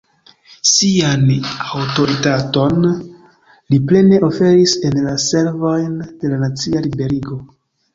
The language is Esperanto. Sian aŭtoritaton li plene oferis en la servojn de la nacia liberigo.